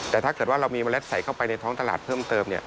แต่ถ้าเกิดว่าเรามีเมล็ดใส่เข้าไปในท้องตลาดเพิ่มเติม